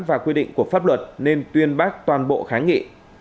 và quy định của pháp luật nên tuyên bác toàn bộ kháng nghị